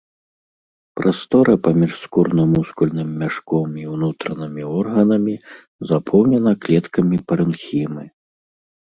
Прастора паміж скурна-мускульным мяшком і ўнутранымі органамі запоўнена клеткамі парэнхімы.